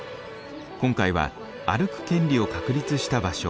今回は歩く権利を確立した場所